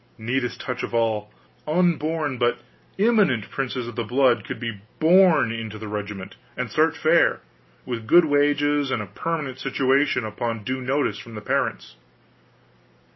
Neatest touch of all: unborn but imminent princes of the blood could be born into the regiment, and start fair, with good wages and a permanent situation, upon due notice from the parents.